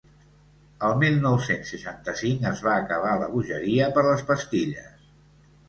El mil nou-cents seixanta-cinc es va acabar la bogeria per les pastilles.